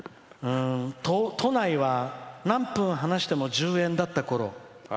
都内は何分話しても１０円だったころ